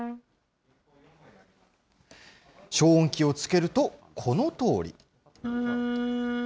消音器をつけるとこのとおり。